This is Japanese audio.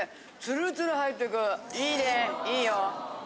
ツルツル入ってくいいねいいよ。